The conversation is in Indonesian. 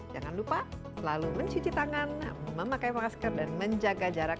jangan lupa selalu mencuci tangan memakai masker dan menjaga jarak